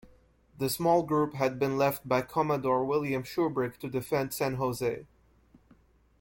The small group had been left by Commodore William Shubrick to defend San Jose.